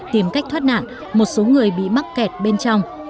tìm cách thoát nạn một số người bị mắc kẹt bên trong